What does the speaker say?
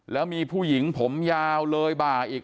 แล้วมีผู้หญิงผมยาวเลยบ่าอีก